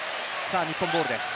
日本ボールです。